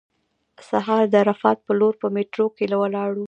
سهار د عرفات په لور په میټرو کې ولاړو.